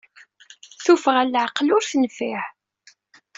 Tuffɣa n leɛqel ur tenfiɛ.